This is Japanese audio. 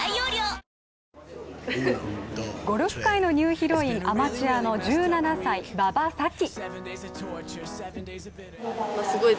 ゴルフ界のニューヒロインアマチュアの１７歳、馬場咲希。